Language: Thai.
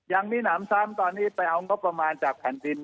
ยังมีหนำซ้ำตอนนี้ไปเอางบประมาณจากแผ่นดิน